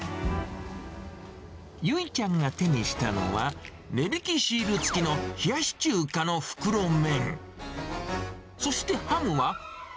結ちゃんが手にしたのは、値引きシール付きの冷やし中華の袋麺。